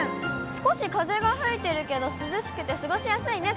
少し風が吹いてるけど、涼しくて過ごしやすいね。